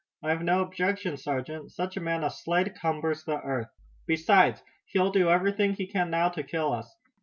"I've no objection, sergeant. Such a man as Slade cumbers the earth. Besides, he'll do everything he can now to kill us."